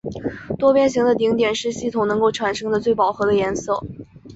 多边形的顶点是系统能够产生的最饱和的颜色。